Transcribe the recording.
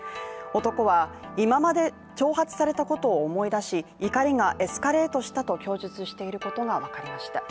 男は、今まで挑発されたことを思い出し怒りがエスカレートしたと供述していることが分かりました。